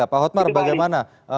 pak otmar bagaimana